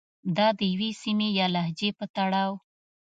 يا د يوې سيمې يا لهجې په تړاو